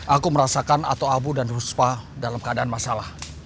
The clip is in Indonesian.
aku merasakan atuh abu dan huspa dalam keadaan masalah